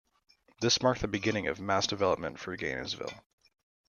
This marked the beginning of mass-development for Gainesville.